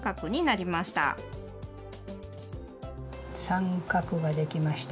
三角ができました。